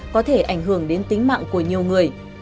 có thể ảnh hưởng đến tính mạng của nhiều người